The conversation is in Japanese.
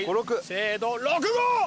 せーの「６」「５」！